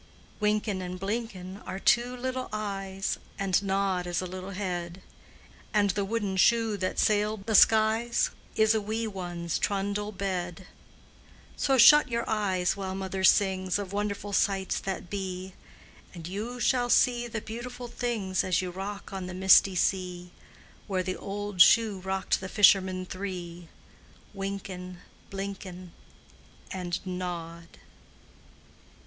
Wynken and Blynken are two little eyes, And Nod is a little head, And the wooden shoe that sailed the skies Is a wee one's trundle bed; So shut your eyes while Mother sings Of wonderful sights that be, And you shall see the beautiful things As you rock on the misty sea Where the old shoe rocked the fishermen three, Wynken, Blynken, And Nod.